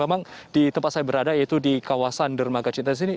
memang di tempat saya berada yaitu di kawasan dermaga cinta sini